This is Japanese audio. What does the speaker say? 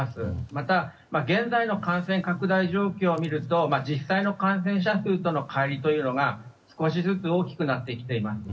また、現在の感染拡大状況を見ると実際の感染者数との乖離というのが、少しずつ大きくなってきています。